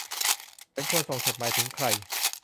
ฉันควรส่งจดหมายถึงใคร